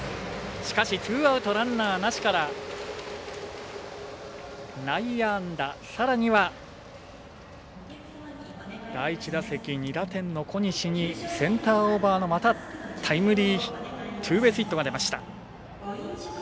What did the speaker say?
しかし、ツーアウトランナーなしから内野安打、さらには第１打席２打点の小西にセンターオーバーのまたタイムリーツーベースヒットが出ました。